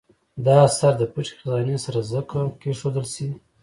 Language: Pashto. دا اثر د پټې خزانې سره ځکه کېښودل شي.